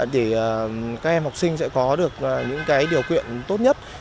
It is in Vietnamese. để các em học sinh sẽ có được những điều kiện tốt nhất